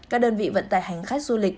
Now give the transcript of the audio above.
các đơn vị vận tài hành khách du lịch